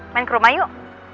main ke rumah yuk